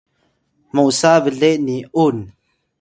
mosa ble ni’un